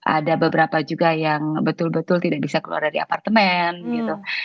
ada beberapa juga yang betul betul tidak bisa keluar dari apartemen gitu